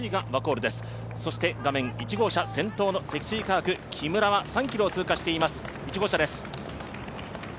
画面１号車、先頭の積水化学・木村は３ｋｍを通過しています。